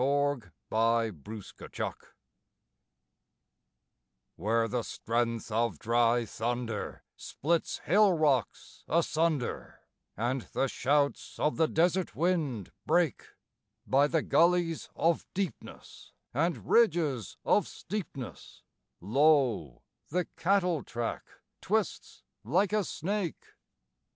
On a Cattle Track Where the strength of dry thunder splits hill rocks asunder, And the shouts of the desert wind break, By the gullies of deepness and ridges of steepness, Lo, the cattle track twists like a snake!